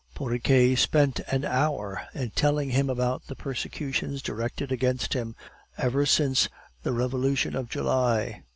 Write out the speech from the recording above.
Porriquet spent an hour in telling him about the persecutions directed against him ever since the Revolution of July.